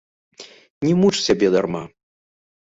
Не муч сябе дарма.